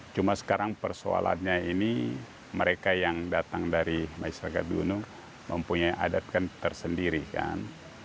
cuma sekarang persoalannya ini mereka yang datang dari masyarakat gunung mempunyai adat tersendiri kan